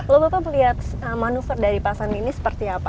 loh bapak melihat manuver dari pak sandi ini seperti apa